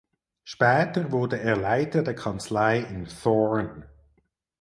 Später wurde er Leiter der Kanzlei in Thorn.